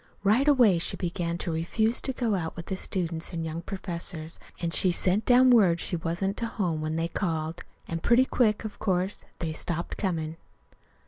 Right away she began to refuse to go out with the students an' young professors, an' she sent down word she wasn't to home when they called. And pretty quick, of course, they stopped comin'.